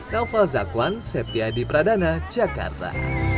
novel zakwan sepia di pradana jakarta